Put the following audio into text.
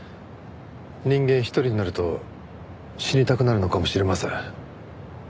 人間一人になると死にたくなるのかもしれません。